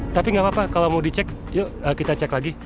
tapi nggak apa apa kalau mau dicek yuk kita cek lagi